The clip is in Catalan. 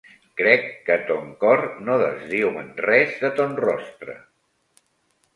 Crec que ton cor no desdiu en res de ton rostre.